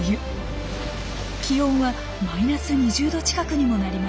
気温はマイナス２０度近くにもなります。